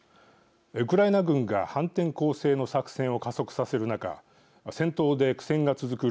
ウクライナ軍が反転攻勢の作戦を加速させる中戦闘で苦戦が続く